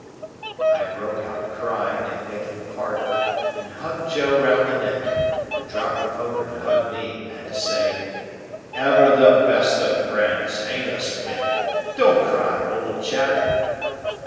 '" I broke out crying and begging pardon, and hugged Joe round the neck: who dropped the poker to hug me, and to say, "Ever the best of friends; an't us, Pip? Don't cry, old chap!"